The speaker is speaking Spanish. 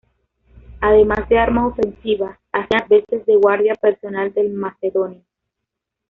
Además de arma ofensiva, hacían las veces de guardia personal del macedonio.